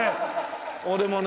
俺もね